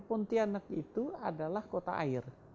pontianak itu adalah kota air